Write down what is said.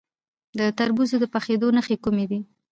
د تربوز د پخیدو نښې کومې دي؟